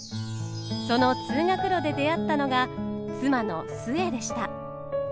その通学路で出会ったのが妻の壽衛でした。